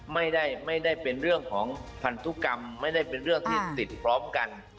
ไม่ได้เป็นเรื่องของพันธุกรรมไม่ได้เป็นเรื่องที่ติดพร้อมกัน